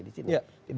untuk investasi di sini